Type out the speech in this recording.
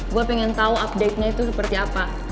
gue pengen tahu update nya itu seperti apa